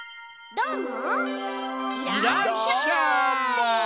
どーも！